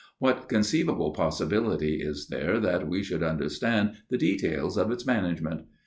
What conceivable possibility is there that we should understand the details of its management